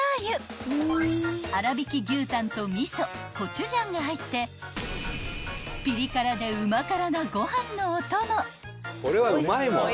［粗びき牛タンと味噌コチュジャンが入ってピリ辛でうま辛なご飯のお供］